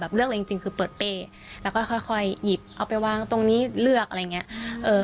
แบบเลือกอะไรจริงคือเปิดเป้แล้วก็ค่อยหยิบเอาไปว่างตรงนี้เลือกอะไรอย่างเงี้ย